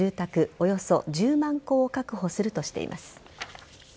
およそ１０万戸を確保するとしています。